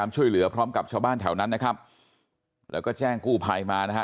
ช่วยเหลือพร้อมกับชาวบ้านแถวนั้นนะครับแล้วก็แจ้งกู้ภัยมานะฮะ